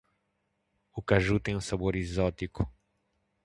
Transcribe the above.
O caju tem um sabor exótico.